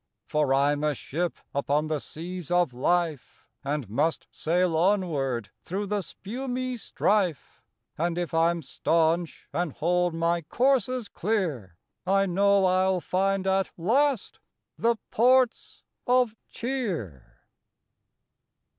For I m a ship upon the seas of life, And must sail onward through the spumy strife, And if I m stanch and hold my courses clear, I know I ll find at last the Ports of Cheer!